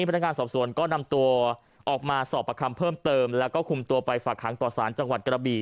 พนักงานสอบสวนก็นำตัวออกมาสอบประคำเพิ่มเติมแล้วก็คุมตัวไปฝากหางต่อสารจังหวัดกระบี่